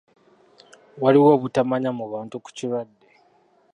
Waliwo obutamanya mu bantu ku kirwadde.